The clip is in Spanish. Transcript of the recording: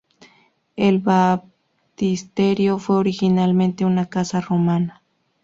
El baptisterio fue originalmente una casa romana.